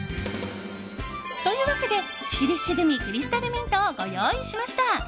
というわけで、キシリッシュグミクリスタルミントをご用意しました。